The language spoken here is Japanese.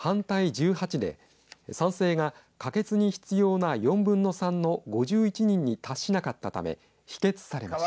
１８で賛成が可決に必要な４分の３の５１人に達しなかったため否決されました。